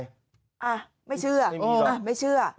แล้วก็ให้น้ำจากบ้านเขาลงคลอมผ่านที่สุดท้าย